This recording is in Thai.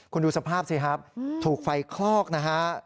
คุณดูสภาพสิครับถูกไฟคลอกนะฮะ